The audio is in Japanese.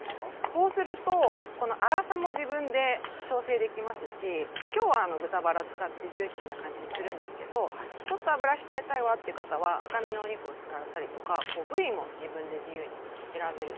こうするとこの粗さも自分で調整できますし今日は豚バラ使ってジューシーな感じにするんですけどちょっと脂控えたいわって方は赤身のお肉を使ったりとか部位も自分で自由に選べるっていう。